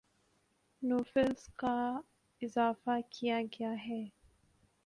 نو فلس کا اضافہ کیا گیا ہے